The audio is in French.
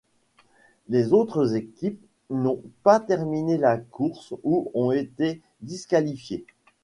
Les autres équipes n'ont pas terminé la course ou ont été disqualifiées.